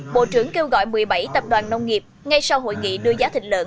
bộ trưởng kêu gọi một mươi bảy tập đoàn nông nghiệp ngay sau hội nghị đưa giá thịt lợn